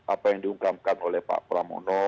apa yang diungkapkan oleh pak pramono